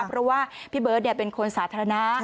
เพราะว่าพี่เบิร์ตเป็นคนสาธารณะ